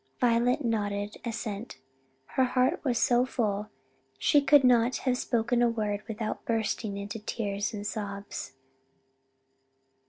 Violet nodded assent; her heart was so full she could not have spoken a word without bursting into tears and sobs.